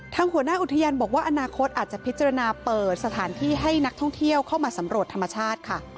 หัวหน้าอุทยานบอกว่าอนาคตอาจจะพิจารณาเปิดสถานที่ให้นักท่องเที่ยวเข้ามาสำรวจธรรมชาติค่ะ